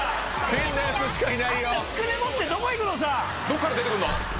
どこから出てくんの？